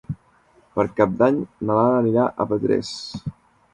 Per Cap d'Any na Lara anirà a Petrés.